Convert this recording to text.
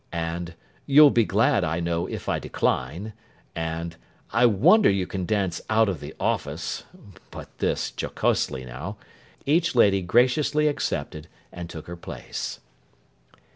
and 'you'll be glad, I know, if I decline,' and 'I wonder you can dance out of the office' (but this jocosely now), each lady graciously accepted, and took her place.